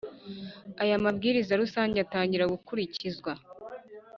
Aya mabwiriza rusange atangira gukurikizwa